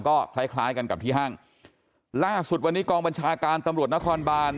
ก็คล้ายคล้ายกันกับที่ห้างล่าสุดวันนี้กองบัญชาการตำรวจนครบาน